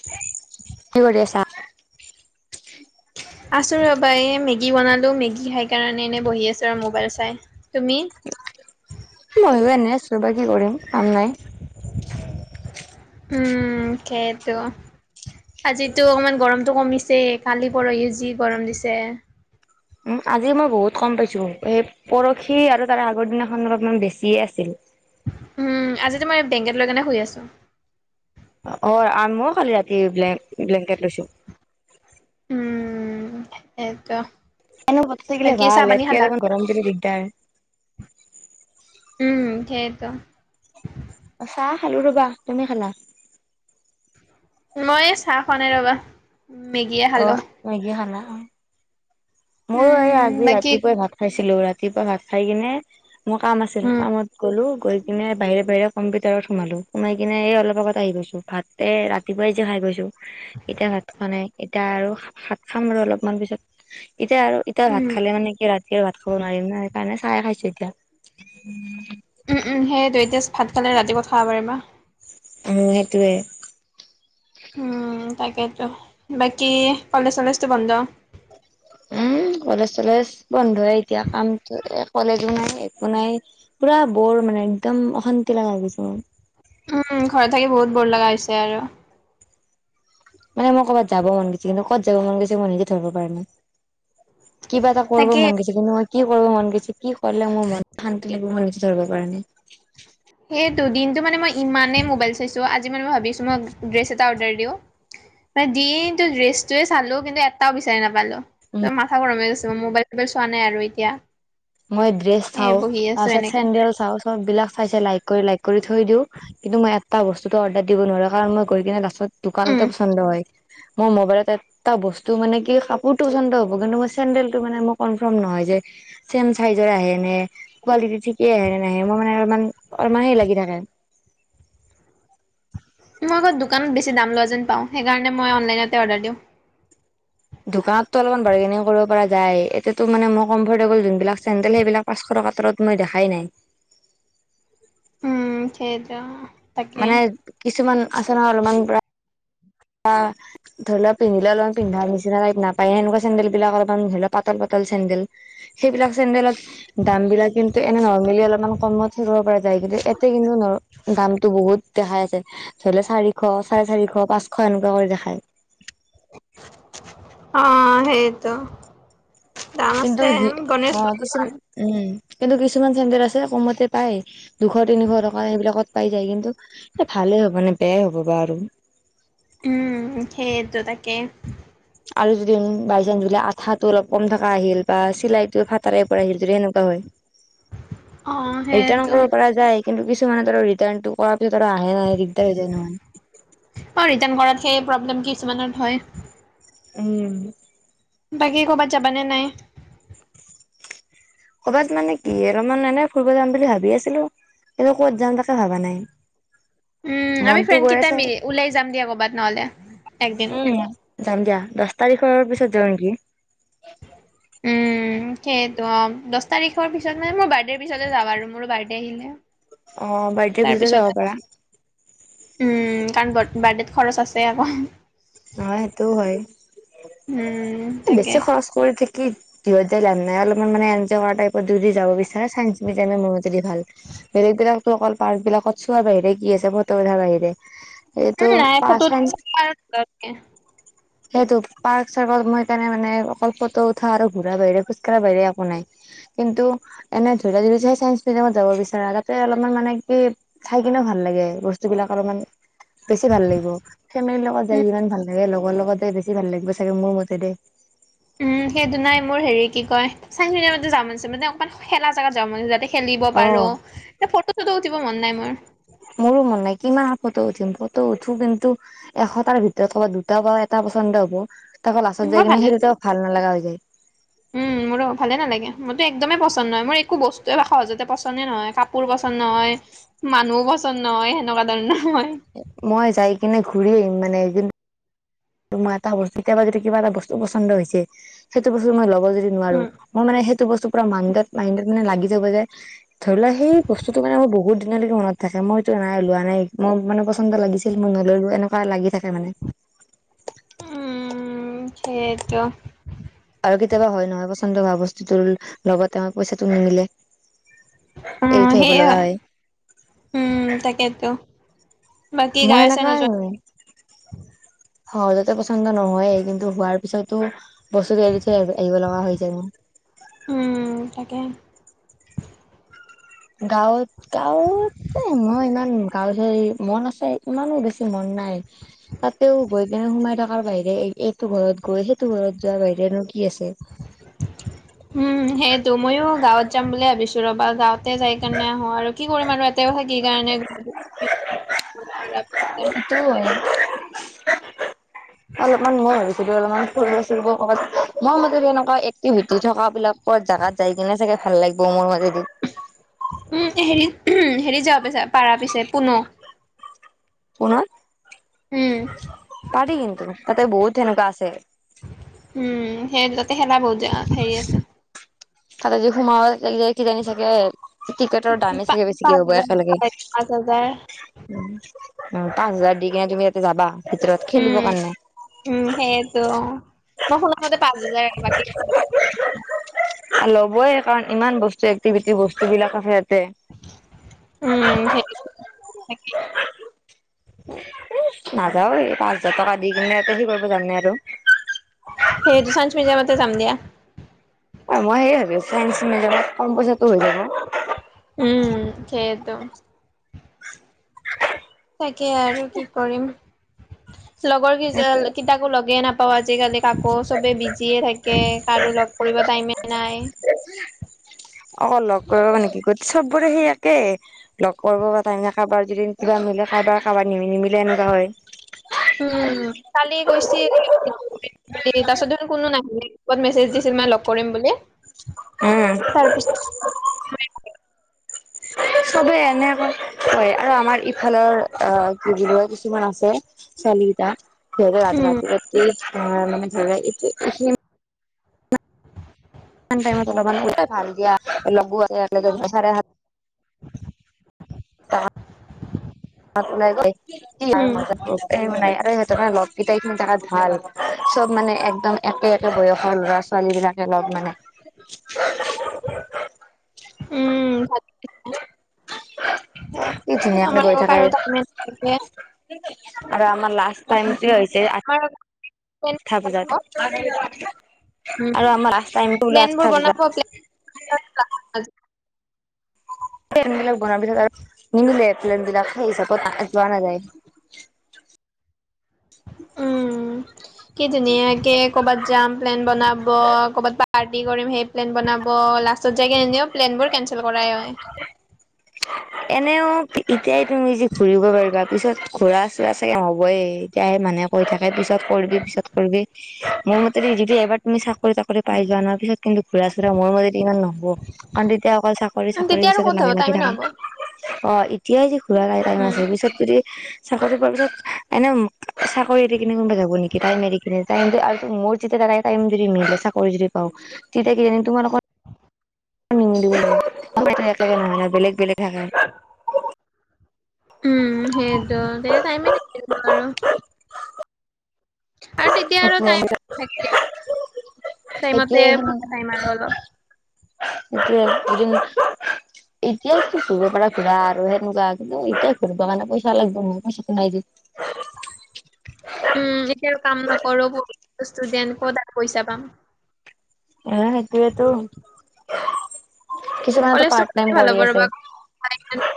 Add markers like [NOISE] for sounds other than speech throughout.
কি কৰি আছা? আছোঁ ৰ'বা এই মেগী বনালো মেগী খাই কাৰণে এনে বহি আছোঁ আৰু মোবাইল চাই তুমি? মই এনে আছোঁ ৰবা কি কৰিম কাম নাই। উম সেইটো। আজিতো অকমান গৰমতটো কমিছে কালি ইউজি গৰম দিছে। উম, আজি মই বহুত কম পাইছো। এই পৰহি আৰু তাৰে আগৰ দিনাখন অলপমান বেছিয়ে আছিল। উম আজিতো মই বেংকেত লৈ পিনে শুই আছো। অ আন, মই খালি ৰাতি ব্লেং ব্লেংকেট লৈছোঁ। উম সেইতো। এনেও ঘৰত থাকিলে, ভাল ইয়াতকে অলপমান গৰম দিলে দিগদাৰ। উম সেইটো। চাহ খালো ৰবা। তুমি খালা? মই চাহ খোৱা নাই ৰ'বা মেগীয়ে খালোঁ। মগিয়ে খালা, উম। মইয়ো এই উম আজি বাকী ৰাতিপুৱাই ভাত খাইছিলো। ৰাতিপুৱা ভাত খাই কিনে মোৰ কাম আছিল। উম কামত গ'লো গৈ কিনে বাহিৰে বাহিৰে কম্পিউটাৰত সোমালোঁ সোমাই কিনে এই অলপ আগত আহিছোঁ। ভাতে ৰাতিপুৱাই যে খাই গৈছোঁ। এতিয়া ভাত খোৱা নাই, এতিয়া আৰু ভাত খাম আৰু অলপমান পিছত। এতিয়া আৰু এতিয়া ভাত উম খালে মানে কি ৰাতি এতিয়া ভাত খাব নোৱাৰিম না, সেইকাৰণে চাইে খাইছো এতিয়া। উম উম সেইটো এতিয়া ভাত খালে ৰাতি খাব পাৰিবা। উম সেইটোৱে। উম' তাকেতো, বাকী কলেজ চলেজটো বন্ধ। উম কলেজ চলেজ বন্ধয় এতিয়া কামটো কলেজো নাই একো নাই। পুৰা বৰ মানে একদম অশান্তি লগা হৈ গৈছে মোৰ। উম ঘৰত থাকি বহুত বৰ লগা হৈছে আৰু। মানে মোৰ ক'বাত যাব মন গৈছে কিন্তু কত য মন গৈছে মই নিজে ধৰিব পৰা নাই। কিবা এটা কৰিব তাকে মন গৈছে কিন্তু মই- কি কৰিব মন গৈছে কি কৰিলে মোৰ মন শান্তি লাগিব ময় নিজে ধৰিব পৰা নাই। এই দুদিনটো মানে মই ইমানেই মোবাইল চাইছোঁ আজি মানে ভাবিছোঁ মই ড্ৰেছ এটা অৰ্ডাৰ দিওঁ। ময় দিনতো ড্ৰেছটোৱে চালো কিন্তু এটাও বিচাৰি নাপালো। উম, ত মাথা গৰম হৈ গৈছে মো মোবাইল চোবাইল চোৱা নাই আৰু এতিয়া। মই ড্ৰেছ এ চাওঁ তাৰ বহি আছো পিছত এনেকে। চেণ্ডেল চাওঁ চববিলাক চাই চাই লাইক কৰি লাইক কৰি থৈ দিও। কিন্তু মই এটা বস্তুতটো অৰ্ডাৰ দিব নোৱাৰো কাৰণ মই গৈ কিনে লাষ্টত উম, দোকানতে পচন্দ হয়। মোৰ মোবাইলতে। এটা বস্তু মানে কি কাপোৰটো পচন্দ হ'ব কিন্তু মোৰ চেণ্ডেলটো মানে মোৰ কনফৰ্ম নহয় যে- চেম চাইজৰ আহে নে, কোৱালিটি ঠিকে আহে নে নাহে মোৰ মানে অলমান অলমান হেই লাগি থাকে। মই আকৌ দোকানত বেছি দাম লোৱা যেন পাওঁ সেইকাৰণে মই অনলাইনতে অৰ্ডাৰ দিওঁ। দোকানতো অলপমান বাৰগিনে কৰিব পৰা যায় এটোতো মানে মোৰ কমফৰ্টেবল যোনবিলাক চেণ্ডেল সেইবিলাক- পাঁচশ টকা তলত মই দেখাই নাই। উম' সেইটো। তাকে মানে কিছুমান আছে নহয় অলমান ব্ৰা- ধৰি লোৱা পিন্ধিলে অলমান পিন্ধাৰ নিচিনা টাইপ নাপায় সেনেকুৱা চেন্দেল বিলাক অলমান ধৰি লোৱা পাতল পাতল টাইপ চেন্দেল। সেইবিলাক চেণ্ডেলত দাম বিলাক কিন্তু এনে নৰ্মেলি অলপমান কমত- ধৰিব পৰা যায়। কিন্তু এয়াতে কিন্তু ন দামটো বহুত দেখাই আছে ধৰি লোৱা চাৰি- শ চাৰে চাৰিশ পাঁচশ এনেকুৱা কৰি দেখায়। অঁ সেইটো, দাম কিন্তু আছে সি উম অ গণেশগুৰিত কিছু ভাল। উম' কিন্তু কিছুমান চেণ্ডেল আছে কমতে পায়। দুশ তিনিশ টকা সেইবিলাকত পাই যায় কিন্তু এই ভালে হ'ব নে বেয়াই হ'ব বা আৰু। উম' সেইয়েটো তাকে। আৰু যদি উম বাই চান্স বোলে আঠাটো অলপ কম থকা আহিল বা চিলাই টো ফাটাৰে পৰা আহিল যদি সেনেকুৱা হয়, - [INAUDIBLE] অ' ৰিটাৰ্ণ সেইটো। কৰিব পাৰা- যায়, কিন্তু কিছুমানে ধৰা ৰিটাৰ্ণটো কৰাৰ পিছত আৰু আহে নাহে দিগদাৰ হৈ যায় নহয়। অ ৰিটাৰ্ণ কৰাত ধেই প্ৰব্লেম কিছুমানত হয়। উম'। বাকী ক'বাত যাবা নে নাই। ক'বাত মানে কি অলপমান এনেই ফুৰিব যাম বুলি ভাবি আছিলো। কিন্তু, ক'ত যাম তাকে ভাবা নাই। উম আমি মনতো ফ্ৰেণ্ড গৈ কিটাই আছে মিলি ওলাই যাম দিয়া ক'বাত নহ'লে একদিন। উম যাম দিয়া দশ তাৰিখৰ পিছত যাওঁ নেকি। উম' সেইটো অঁ দহ তাৰিখৰ পিছত মানে মোৰ বাৰ্থডেৰ পিছতে যাওঁ আৰু মোৰো বাৰ্থডে আহিলে। অঁ বাৰ্থডেৰ পিছতে তাৰপিছত যাব পাৰা। উম' কাৰণ বাথ বাৰ্থডেত খৰচ আছে আকৌ। অঁ সেইটোও হয়, উম এহ তাকে বেছি খৰচ কৰি থাকি- ভিৰত যাই লাভ নাই অলমান মানে এনজয় কৰা টাইপত যদি যাব বিচাৰা চাইন্স মিউজিয়ামে মোৰ মতে দি ভাল। বেলেগ বিলাকটো অকল পাৰ্ক বিলাকত চোৱাৰ বাহিৰে কি আছে ফটো উঠাৰ বাহিৰে এইটো উম নাই ফটো [UNINTELLIGIBLE] সেইটো পাৰ্ক চাৰ্কত মই সেইকাৰণে মানে অকল ফটো উঠা আৰু ঘূৰা বাহিৰে খোজ কাঢ়া বাহিৰে একো নাই। কিন্তু এনে ধৰি লোৱা যদি চাইন্স মিউজিয়ামত যাব বিচাৰা তাতে অলপমান মানে কি চাই কিনেও ভাল লাগে ব স্তুবিলাক অলপমান বেছি ভাল লাগিব, ফেমিলিৰ লগত যাই উম যিমান ভাল লাগে লগৰ লগত যাই বেছি ভাল লাগিব চাগে মোৰ মতে দেই। উম সেইটো নাই মোৰ হেৰি কি কয় চাইন্স মিউজিয়ামতে যাব মন আছে মানে অকণমান খেলা জাগাত যাব মন আছে যাতে খেলিব অ পাৰোঁ এহ ফটো চটো উঠিব মন নাই মোৰ। মোৰো মন নাই কিমান আৰু ফটো উঠিম ফটো উঠো কিন্তু, এশটাৰ ভিতৰত ক'ৰবাত দুটা বা এটা পছন্দ হ'ব তাকো লাষ্টত মোৰ যাই কিনে ভালে সেই দুটাও ভাল নালগা হৈ যায়। উম উম মোৰো ভালে নালাগে মোৰতো একদমেই পছন্দ নহয় মোৰ একো বস্তুৱে বা সহজতে পছন্দে নহয় কা পোৰ পছন্দ নহয়, মানুহো পছন্দ নহয় সেনেকুৱা ধৰণৰ মই। মই যাই কিনে ঘূৰি আহিম মানে এদিন ত' মই এটা বস্তু কেতিয়াবা যদি কিবা এটা বস্তু পছন্দ হৈছে সেইটো বস্তু মই ল ব যদি নোৱাৰো উম, মই মানে সেইটো বস্তু পোৰা মাণ্ডত মাইণ্ডত মানে লাগি যাব যে ধৰি লোৱা সেই বস্তুটো মানে মোৰ বহুত দিনলৈকে মনত থাকে মই এইটো নাই লোৱা নাই মোৰ মানে পছন্দ লাগি ছিল মই ন'ললো, এনেকুৱা লাগি থাকে মানে। উম সেইয়েটো। আৰু কেতিয়াবা হয় নহয় পছন্দ হোৱা বস্তুটোৰ লগতে আমাৰ পইচাটো নিমিলে। উম, এৰি থৈ আহিব সেয়ে লগা হয়। উম তাকেতো, বাকী মই গাঁওৱে ছাঁওৱে নোযোৱা? এনেকুৱাই সহজতে পছন্দ নহয়ে কিন্তু হোৱাৰ পিছতো বস্তুটো এৰি থৈ আহি আহিব লগা হৈ যায় মোৰ। উম তাকে। গাঁও গাঁৱত যায় মই ইমান গাঁও হেই মন আছে ইমানো বেছি মন নাই। তাতেও গৈ পিনে সোমাই থকাৰ বাহিৰে এইটো ঘৰত গৈ সেইটো ঘৰত যোৱাৰ বাহিৰেনো কি আছে। [INAUDIBLE] উম সেইটো মইয়ো গাঁৱত যাম বুলি ভাবিছো ৰবা গাঁৱতে যাই কিনে আহো আৰু কি কৰিম আৰু ইয়াতেও থাকি সেইকাৰণে সেইটো হয় [UNINTELLIGIBLE] অলপমান মই ভাবছিলো অলপমান ফুৰিব চুৰিব ক'ৰবাত মই মতে এনেকুৱা এক্টিভিটি থকা বিলাক কত জাগাত যাই কিনে চাগে ভাল লাগিব মোৰ মাতেদি উম হেৰিত হেৰি যোৱা পিছে পাৰা পিছে পুনৌ পুনৌত, উম। পাৰি কিন্তু। তাতে বহুত সেনেকুৱা আছে। উম সেই তাতে খেলা বহুত হেৰি আছে। তাতে যি সোমাব যাই কিজানি চাগে টিকেটৰ দামেই পা চাগে বেছিকে পাঁচ হ'ব হাজাৰ একেলগে পায়, পাঁচ হাজাৰ উম পাঁচ হাজাৰ দি কিনে তুমি তাতে যাবা ভিতৰত উম, খেলিবৰ কাৰণে উম সেইয়টো অঁ মই শুনামতে পাঁচ হাজাৰ বাকী [UNINTELLIGIBLE] ল'বই কাৰণ ইমান বস্তু এক্টিভিটি বস্তু বিলাক আছে ইয়াতে। উম সেইটোৱে, তাকে। এই নাযাও এই পাঁচ হাজাৰ টকা দি কিনে তহতি কৰিব যাবি নে এটো হেই দুচানচ মিজেয়ামতে যাম দিয়া অ মই সেই ভাবি আছো চাইন্স মেজত কম পইচাটো হৈ যাব উম খেত তাকে আৰু কি কৰিম লগৰ কিজ কিতাকো লগে নাপাওঁ আজিকালি কাকো চবে বিজিয়ে থাকে কৰো লগ কৰিব টাইমে এ নাই অ লগ কৰিব নেকি গতি চবৰে সেই একেই লগ কৰিব ই কাৰোবাৰ যদি কিবা মিলে কাৰোবাৰ কাৰোবাৰ নিমি নিমিলে এনেকুৱা হয় উম কালি কৈছিল তাৰিছতনো কোনো নাহিলে [UNINTELLIGIBLE] কত মেছেজ দিছিল মানে লগ কৰিম বুলি উম তাৰপি [INAUDIBLE] চবে এনে কয় আৰু আমাৰ ইফালৰ আ কি বুলি কিয় কিছুমান আছে চালিটাা খ ৰাাত উম, ৰাতি ৰাি মানে খ [UNINTELLIGIBLE] া [UNINTELLIGIBLE] ল দিয় লু আ [INAUDIBLE] ওলাই উম, মাজ নাই আৰু সিহঁতে লগকেইটাইখিনি তাত ভাল [UNINTELLIGIBLE] চব মানে একদম একে একে বয়সৰ ল'ৰা ছোৱালী বিলাকে লগ মানে উম কি ধুনীয়াকে গৈ আমাৰ থাকে কাৰ [UNINTELLIGIBLE] এয়া [UNINTELLIGIBLE] আৰু আমাৰ লাষ্ট উ উ হয় ঠা পূজাত উম, আৰু আমাৰ লাষ্ট টাইমটো ওলাই [UNINTELLIGIBLE] প্লেনবোৰ আঠা বনাব বোৰ- পজাত প্লেন বিলাক বনোৱাৰ পিছত আৰু নিমিলে প্লেন বিলাক সেই হিচাপত আ যোৱা নাযায় উম কি ধুনীয়াকে ক'বাত যাম প্লেন বনাব ক'বাত পাৰ্টি কৰিম সেই প্লেন বনাব লাষ্ট ছত যাইগে এনেও প্লেনবোৰ কেনচেল কৰাই হয় এনেও ই ইতিয়াই তুমি যি ফুৰিব পাৰিবা পিছত ঘুৰা চুৰা চাগে নহ'বই তেতিয়াহে মানে কৈ থাকে পিছত কৰিবি পিছত কৰিবি মোৰ মতেদি যদি এবাৰ তুমি চাকৰি তাকৰি পাই যোৱা ন পিছত কিন্তু ঘুৰা চুৰা মোৰ মতে ইমান নহব কাৰণ তেতিয়া অকল চাকৰি উম, চাকৰিৰ তেতিয়া আৰু পিছতে ক'ত হ'ব লাগি লাগি টাইমে থাকা নহ'ব। অ এতিয়াই যি ফুৰা নাই টাইম উম, আছে পিছত যদি চাকৰি পোৱাৰ পিছত এনে উম চাকৰি এৰি কিনে কোনবা যাব নেকি টাইম এৰি কিনে তাইম আৰু মোৰ যেতিয়া দাদাই টাইম যদি মিলে চাকৰী যদি পাও তেতিয়া কিজানি তোমাৰ লগত এ নিমিলিব এ সময়টো একে একে নহয় ন বেলেগ বেলেগ থাকে উম সেইটো তেতিয়া টাইমেই নাথাকিব আৰু আৰু তেতিয়া আৰু টাইম থাকিলে সেইটোএ সময় ফুৰা টাইম আৰু অলপ। সেইটোএ দুদিন [UNINTELLIGIBLE] এতিয়াই যি ঘূৰিব পাৰা ঘূৰা আৰু সেনেকুৱা কিন্তু এতিয়া ঘূৰিব কাৰনে পইচা লাগিব নহয় পইচাটো নাই যে [INAUDIBLE] উম এতিয়াও কাম নকৰো পঢ়ি থকা ষ্টুডেন্ট কত আৰু পইচা পাম এ সেইটোৱেতো কিছুমানেতো পাৰ্ট টাইম কৰি আছে আ [UNINTELLIGIBLE]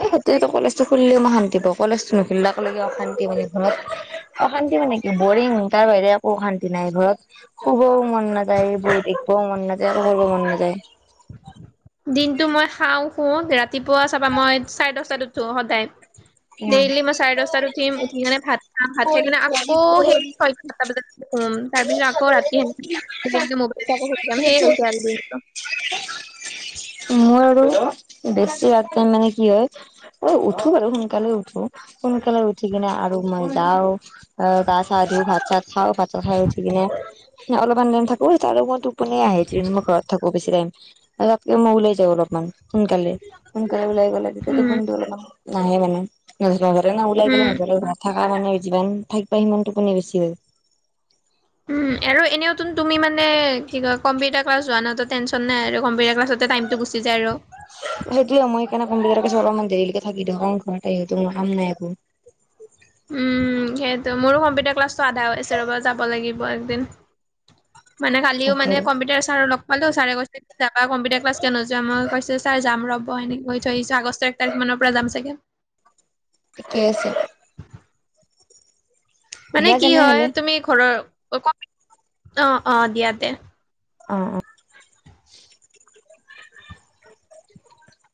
এ সেইটোৱেটো কলেজটো খুলিলেও মই শান্তি পাওঁ কলেজটো নুখুলিলাক লেগি অশান্তি বুলি ঘৰত অশান্তি মানে কি বৰিং তাৰ বাহিৰে একো অশান্তি নাই ঘৰত শুভও মন মনাযায় বহি থাকিবও মন নাযায় একো কৰিব মন নাযায়। দিনটো মই খাওঁ শু ৰাতিপুৱা চাবা মই চাৰে দহটাত উঠো সদায়। উম ডেইলি মই চাৰে দহটাত উঠিম উঠি কিনে ভাত খাম ভাত খাই কিনে আকৌ সেই- সাতটা বজাতে তাৰপিছত আকৌ ৰাতি স মেলি মেলি মোবাইল চাই আকৌ সুই যাম সেইয় হৈছে আৰু দিনটো। ময় আৰু বেছিভাগ তাৰমানে কি হয়? অ উঠো বাৰু সোনকালে উঠো। সোনকালে উঠি কিনে আৰু মই যাওঁ অ গা-চা ধু ভাত- চাত খাও ভাত- ত খাই উঠি কিনে অলপমান টাইম থাকো আৰু মই টো- টোপনি এ আহে যদি মই ঘৰত থাকো বেছি টাইম। তাতকে মই ওলাই যাওঁ অলপমান সোনকালে সোনকালে ওলাই গ'লে তেতিয়া উম টোপনিটো অলপমান- নাহে মানে নোযোৱাৰ আগতে এনে ওলাই গলে উম মোৰ বাবে ভাল। থাকা মানে যিমান থাকিবা সিমান টোপনি বেছি হ'য়। উম আৰু এনেও তোন তুমি মানে কি কয় কম্পিউটাৰ ক্লাছ যোৱা নহয় ত' টেনচন নাই আৰু। কম্পিউটাৰ ক্লাছতে টাইমটো গুছি যায় আৰু। সেইটোয়ে মই সেইকাৰণে কম্পিউটাৰ ক্লাছত অলপমান দেৰিলৈকে থাকি দিওঁ কাৰন ঘৰত আহিওটো মোৰ কাম নাই একো একো। উম' সেইটো মোৰো কম্পিউটাৰ ক্লাছটো আধা হৈ আছে ৰ'বা যাব লাগিব একদিন। মানে কালিও মানে সেইটোৱে কম্পিউটাৰ চাৰক লগ পালো চাৰে কৈছে- যাবা কম্পিউটাৰ ক্লাছ কিয় নোযোৱা মই কৈছো ছাৰ যাম ৰ'ব এনেই কৈ থৈ দিছো আগষ্টৰ এক তাৰিখ মানৰ পৰা যাম চাগে। ঠিকেই আছে। মানে দিয়া কি হয় তেনেহলে তুমি ঘৰৰ অঁ অঁ দিয়া তে- অ‍ঁ অঁ। [INAUDIBLE]